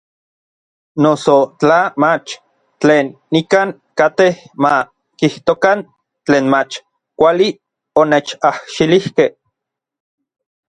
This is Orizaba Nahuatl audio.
Noso tla mach, tlen nikan katej ma kijtokan tlen mach kuali onechajxilijkej.